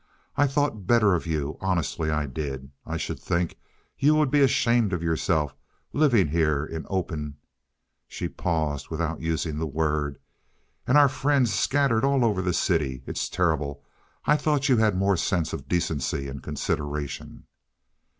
"I thought better of you, honestly I did. I should think you would be ashamed of yourself living here in open—" she paused without using the word—"and our friends scattered all over the city. It's terrible! I thought you had more sense of decency and consideration."